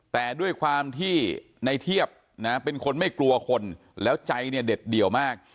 แต่ด้วยความที่ในเทียบนะเป็นคนไม่กลัวคนแล้วใจเนี่ยเด็ดเดี่ยวมาก